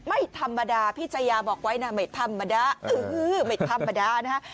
ไม่ธรรมดาพี่ชายาบอกไว้นะไม่ธรรมดาไม่ธรรมดานะฮะ